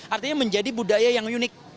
artinya menjadi budaya yang unik